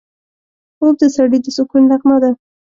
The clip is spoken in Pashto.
خوب د سړي د سکون نغمه ده